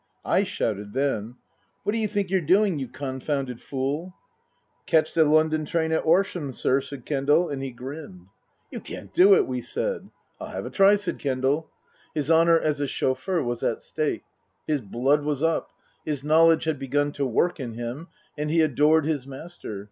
/ shouted then. " What do you think you're doing, you confounded fool ?"" Ketch the London train at 'Orsham, sir," said Kendal. And he grinned. Book II : Her Book 237 " You can't do it," we said. " I'll 'ave a try," said Kendal. His honour as a chauffeur was at stake. His blood was up. His knowledge had begun to work in him and he adored his master.